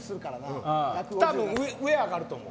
多分、上に上がると思う。